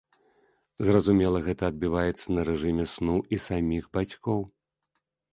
Зразумела, гэта адбіваецца на рэжыме сну і саміх бацькоў.